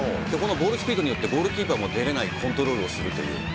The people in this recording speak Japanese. このボールスピードによってゴールキーパーも出れないコントロールをするという。